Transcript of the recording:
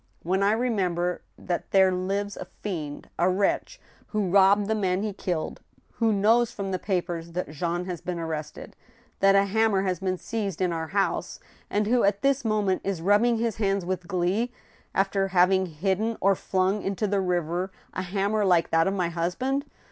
When I remember that there lives a fiend — a wretch ^who robbed the man he killed, who knows from the papers that Jean has been arrested, that a hammer has been seized in our house, and who, at this moment, is rubbing his hands with glee, after having hidden or fiung into the river a hammer like that of my husband